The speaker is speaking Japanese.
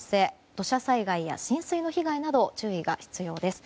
土砂災害や浸水の被害など注意が必要です。